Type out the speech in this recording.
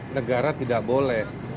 negara tidak boleh dan tidak bisa